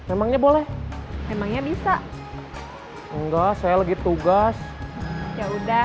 emangnya boleh emangnya bisa enggak saya lagi tugas yaudah